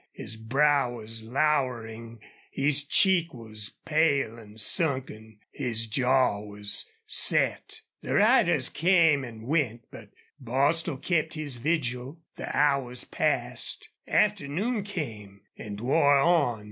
His brow was lowering; his cheek was pale and sunken; his jaw was set. The riders came and went, but Bostil kept his vigil. The hours passed. Afternoon came and wore on.